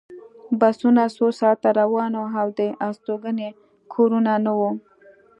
بسونه څو ساعته روان وو او د استوګنې کورونه نه وو